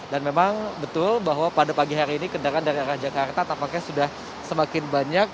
dan memang betul bahwa pada pagi hari ini kendaraan dari arah jakarta tapaknya sudah semakin banyak